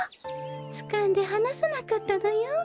つかんではなさなかったのよ。